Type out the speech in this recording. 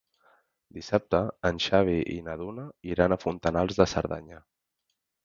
Dissabte en Xavi i na Duna iran a Fontanals de Cerdanya.